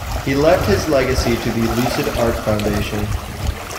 He left his legacy to the Lucid Art Foundation.